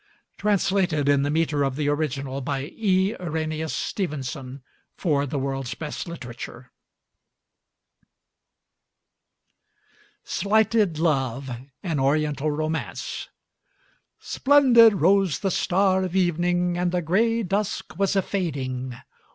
Translated in the metre of the original, by E. Irenæus Stevenson, for the (World's Best Literature) SLIGHTED LOVE AN ORIENTAL ROMANCE Splendid rose the star of evening, and the gray dusk was a fading.